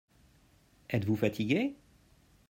Êtes-vous fatigué ?